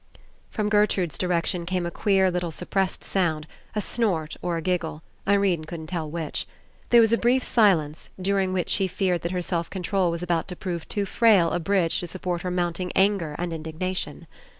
From Gertrude's direction came a queer little suppressed sound, a snort or a giggle. Irene couldn't tell which. There was a brief silence, during which she feared that her self control was about to prove too frail a bridge to support her mounting anger and indignation.